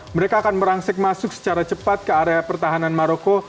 mereka akan merangsik masuk secara cepat ke area pertahanan maroko